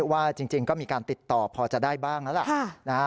ว่าจริงก็มีการติดต่อพอจะได้บ้างแล้วล่ะ